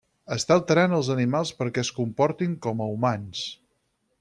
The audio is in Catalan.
Està alterant els animals perquè es comportin com a humans.